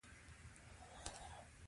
شخصي مالي وضعیت باید ښه شي.